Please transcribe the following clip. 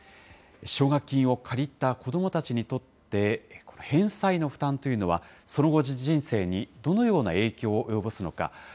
奨学金を借りた子どもたちにとって、返済の負担というのは、その後の人生に、どのような影響を及ぼすのか。